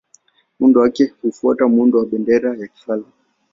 Muundo wake hufuata muundo wa bendera ya kifalme.